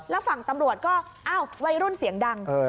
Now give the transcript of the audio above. แล้วฝั่งตำรวจก็อ้าววัยรุ่นเสียงดัง